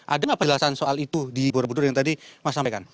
ada nggak penjelasan soal itu di borobudur yang tadi mas sampaikan